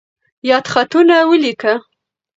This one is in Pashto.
یادښتونه ولیکه.